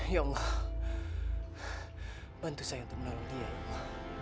ya allah bantu saya untuk menolong dia